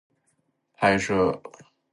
拍摄流程如丝般顺滑